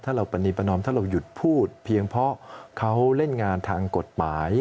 ถ้าเราประณีประนอมถ้าเราหยุดพูดเพียงเพราะเขาเล่นงานทางกฎหมาย